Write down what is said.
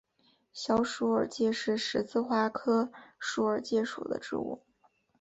小鼠耳芥是十字花科鼠耳芥属的植物。